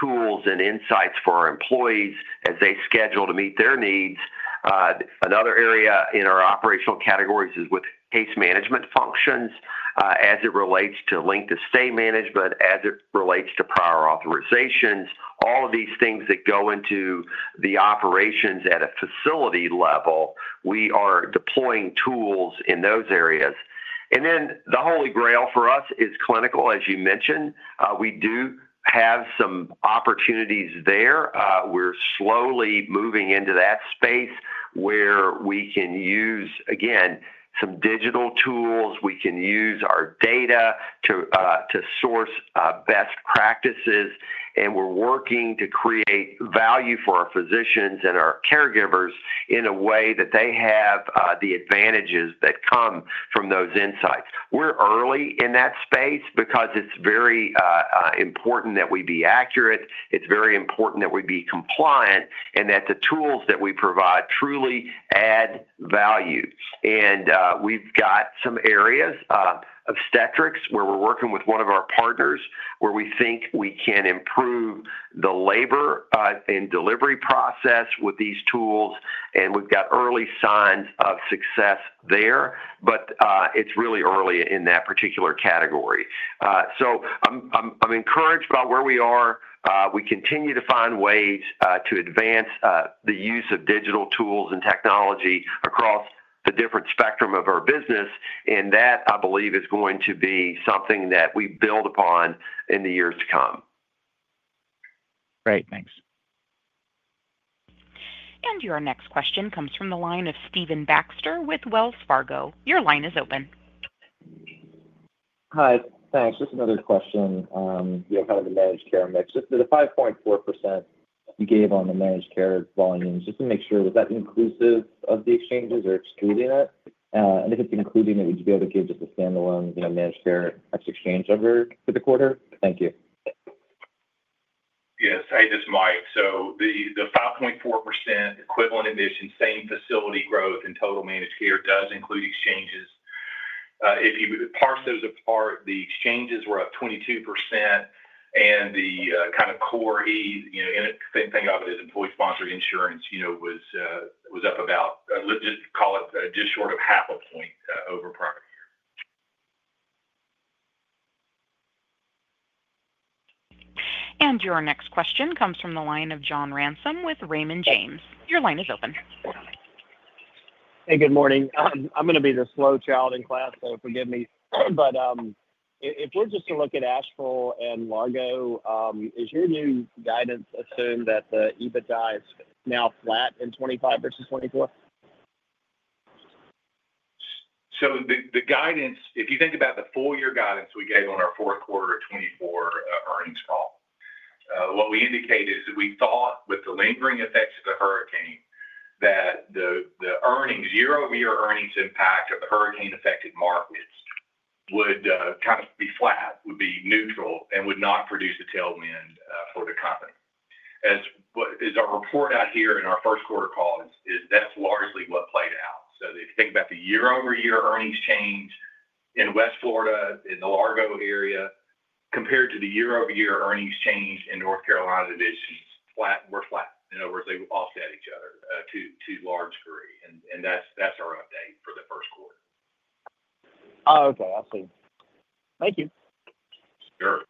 tools and insights for our employees as they schedule to meet their needs. Another area in our operational categories is with case management functions as it relates to length of stay management, as it relates to prior authorizations. All of these things that go into the operations at a facility level, we are deploying tools in those areas. And then the holy grail for us is clinical, as you mentioned. We do have some opportunities there. We're slowly moving into that space where we can use, again, some digital tools. We can use our data to source best practices. We are working to create value for our physicians and our caregivers in a way that they have the advantages that come from those insights. We are early in that space because it is very important that we be accurate. It is very important that we be compliant and that the tools that we provide truly add value. We have some areas of obstetrics where we are working with one of our partners where we think we can improve the labor and delivery process with these tools. We have early signs of success there, but it is really early in that particular category. So I am encouraged by where we are. We continue to find ways to advance the use of digital tools and technology across the different spectrum of our business. And that, I believe, is going to be something that we build upon in the years to come. Great. Thanks. And your next question comes from the line of Stephen Baxter with Wells Fargo. Your line is open. Hi. Thanks. Just another question. Kind of the managed care mix. The 5.4% you gave on the managed care volumes, just to make sure, was that inclusive of the exchanges or excluding it? And if it's including it, would you be able to give just a standalone managed care exchange number for the quarter? Thank you. Yes. Hey, this is Mike. So the 5.4% equivalent admission same facility growth in total managed care does include exchanges. If you parse those apart, the exchanges were up 22%. The kind of core, the same thing I would have with employer-sponsored insurance, was up about, just call it just short of half a point over prior year. And your next question comes from the line of John Ransom with Raymond James. Your line is open. Hey, good morning. I'm going to be the slow child in class, so forgive me. But um if we're just to look at Asheville and Largo, uhm is your new guidance assumed that the EBITDA is now flat in 2025 versus 2024? The guidance, if you think about the full-year guidance we gave on our fourth quarter 2024 earnings call, what we indicated is that we thought with the lingering effects of the hurricane that the earnings, year-over-year earnings impact of the hurricane-affected markets would kind of be flat, would be neutral, and would not produce a tailwind for the company. As our report out here in our first quarter call, that's largely what played out. If you think about the year-over-year earnings change in West Florida in the Largo area compared to the year-over-year earnings change in North Carolina, the divisions were flat. In other words, they offset each other to a large degree. That's our update for the first quarter. Oh, okay. I see. Thank you. Sure.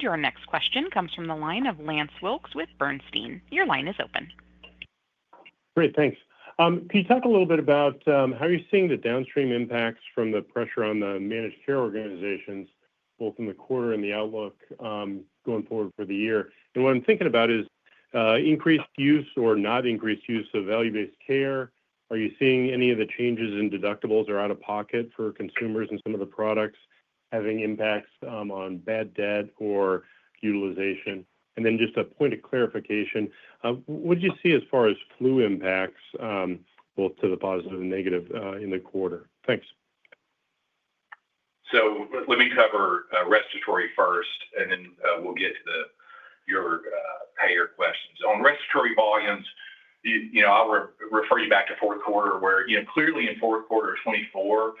Your next question comes from the line of Lance Wilkes with Bernstein. Your line is open. Great. Thanks. Can you talk a little bit about how you're seeing the downstream impacts from the pressure on the managed care organizations, both in the quarter and the outlook going forward for the year? What I'm thinking about is increased use or not increased use of value-based care. Are you seeing any of the changes in deductibles or out-of-pocket for consumers in some of the products having impacts on bad debt or utilization? And then just a point of clarification, what do you see as far as flu impacts, uhm both to the positive and negative in the quarter? Thanks. Let me cover respiratory first, and then we'll get to your payer questions. On respiratory volumes, I'll refer you back to fourth quarter where clearly in fourth quarter 2024,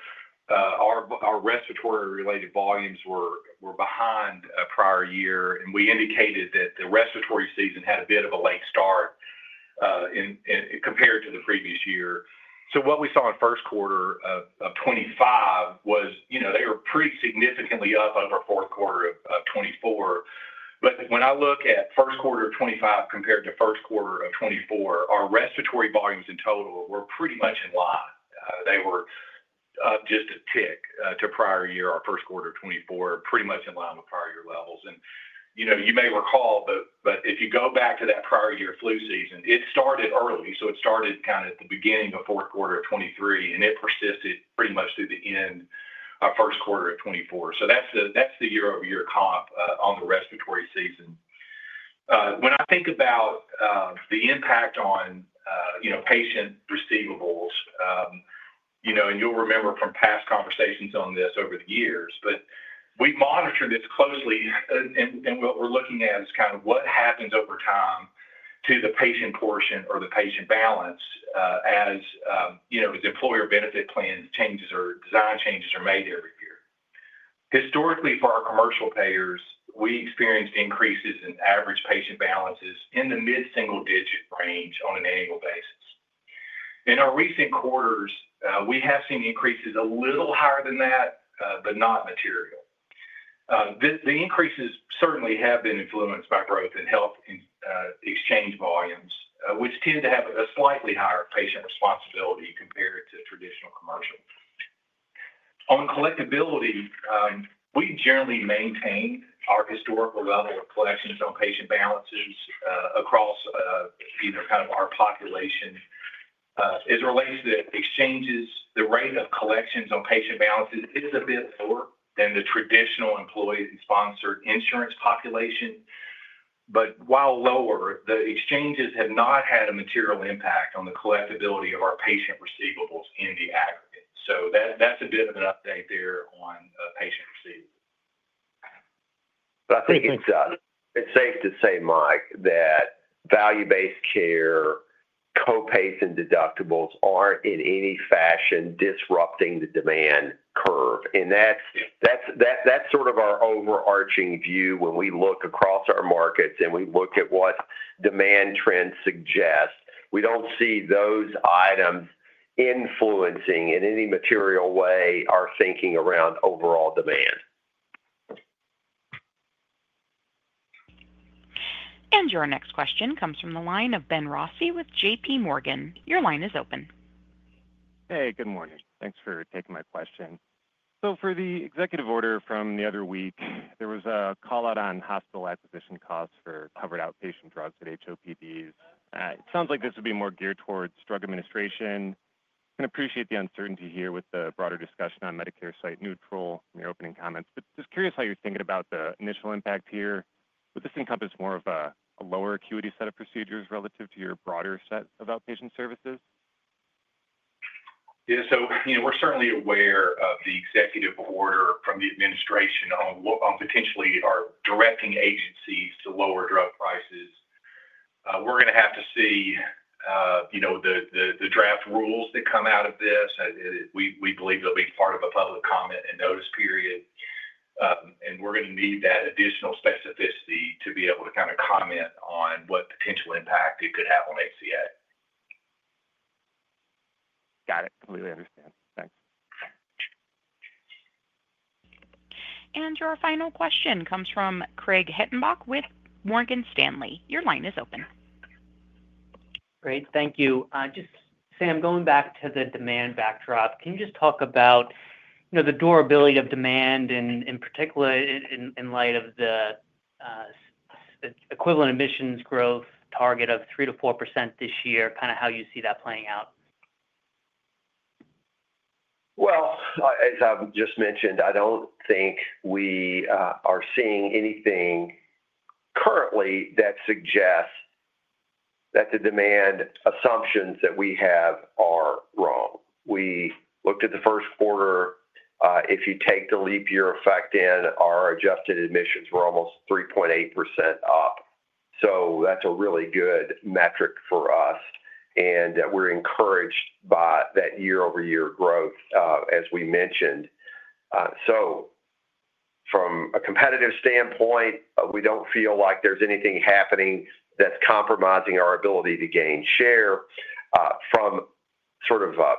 our respiratory-related volumes were behind prior year. And we indicated that the respiratory season had a bit of a late start compared to the previous year. What we saw in first quarter of 2025 was they were pretty significantly up over fourth quarter of 2024. But when I look at first quarter of 2025 compared to first quarter of 2024, our respiratory volumes in total were pretty much in line. They were up just a tick to prior year or first quarter of 2024, pretty much in line with prior year levels. You may recall, but if you go back to that prior year flu season, it started early. It started kind of at the beginning of fourth quarter of 2023, and it persisted pretty much through the end of first quarter of 2024. So that's the year over year comp on the respiratory season. When I think about the impact on patient receivables, uhm you know you'll remember from past conversations on this over the years, but we have monitored this closely. And what we are looking at is kind of what happens over time to the patient portion or the patient balance as employer benefit plans changes or design changes are made every year. Historically, for our commercial payers, we experienced increases in average patient balances in the mid-single-digit range on an annual basis. In our recent quarters, we have seen increases a little higher than that, but not material. The increases certainly have been influenced by growth in health exchange volumes, which tend to have a slightly higher patient responsibility compared to traditional commercial. On collectibility, uhm we generally maintain our historical level of collections on patient balances across kind of our population. It's related to exchanges, the rate of collections on patient balances is a bit lower than the traditional employee-sponsored insurance population. While lower, the exchanges have not had a material impact on the collectibility of our patient receivables in the aggregate. So that's a bit of an update there on patient receivables. I think it is safe to say, Mike, that value-based care, copays, and deductibles are not in any fashion disrupting the demand curve. That's sort of our overarching view when we look across our markets and we look at what demand trends suggest. We don't see those items influencing in any material way our thinking around overall demand. And Yyour next question comes from the line of Ben Rossi with JPMorgan. Your line is open. Hey, good morning. Thanks for taking my question. For the executive order from the other week, there was a call out on hospital acquisition costs for covered outpatient drugs at HOPDs. It sounds like this would be more geared towards drug administration. I can appreciate the uncertainty here with the broader discussion on Medicare site neutral in your opening comments. Just curious how you're thinking about the initial impact here. Would this encompass more of a lower acuity set of procedures relative to your broader set of outpatient services? Yeah. We are certainly aware of the executive order from the administration on potentially directing agencies to lower drug prices. We are going to have to see you know the draft rules that come out of this. We believe it will be part of a public comment and notice period. We are going to need that additional specificity to be able to kind of comment on what potential impact it could have on HCA. Got it. Completely understand. Thanks. Your final question comes from Craig Hettenbach with Morgan Stanley. Your line is open. Great. Thank you. Just, Sam, going back to the demand backdrop, can you just talk about the durability of demand in particular in light of the equivalent admissions growth target of 3-4% this year, kind of how you see that playing out? Well as I've just mentioned, I don't think we are seeing anything currently that suggests that the demand assumptions that we have are wrong. We looked at the first quarter. Ah if you take the leap year effect in, our adjusted admissions were almost 3.8% up. That's a really good metric for us. And we're encouraged by that year-over-year growth, as we mentioned. So from a competitive standpoint, we don't feel like there's anything happening that's compromising our ability to gain share. From sort of a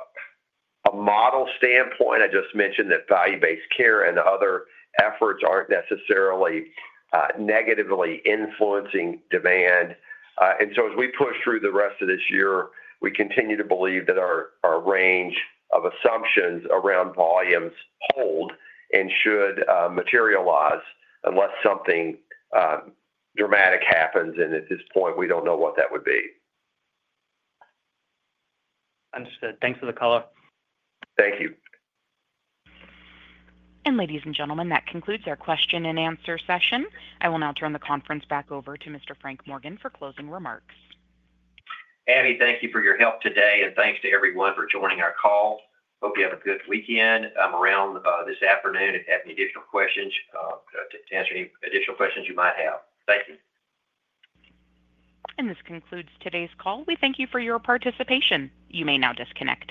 model standpoint, I just mentioned that value-based care and other efforts aren't necessarily negatively influencing demand. As we push through the rest of this year, we continue to believe that our range of assumptions around volumes hold and should materialize unless something dramatic happens. And at this point, we don't know what that would be. Understood. Thanks for the call. Thank you. And ladies and gentlemen, that concludes our question and answer session. I will now turn the conference back over to Mr. Frank Morgan for closing remarks. Abby, thank you for your help today and thank you to everyone for joining our call. Hope you have a good weekend. I will be around this afternoon if you have any additional questions to answer any additional questions you might have. Thank you. And this concludes today's call. We thank you for your participation. You may now disconnect.